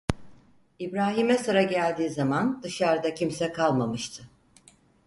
İbrahim'e sıra geldiği zaman dışarda kimse kalmamıştı.